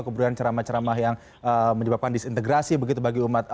kemudian ceramah ceramah yang menyebabkan disintegrasi begitu bagi umat